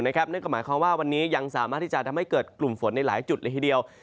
นั่นก็หมายความว่าวันนี้ยังสามารถที่จะทำให้เกิดกลุ่มฝนในหลายจุดเลยทีเดียว